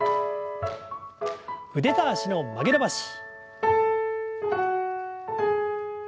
腕と脚の曲げ伸ばし。